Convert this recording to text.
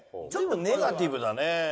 ちょっとネガティブだね。